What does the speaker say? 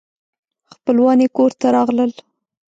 خپلوان یې کور ته راغلل.